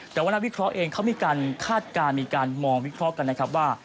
แต่ว่านักวิเคราะห์เองเขามีการคาดการณ์มีการมองวิเคราะห์กันนะครับว่า